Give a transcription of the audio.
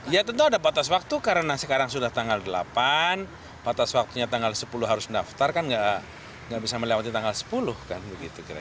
ya tentu ada batas waktu karena sekarang sudah tanggal delapan batas waktunya tanggal sepuluh harus mendaftar kan nggak bisa melewati tanggal sepuluh kan begitu kira kira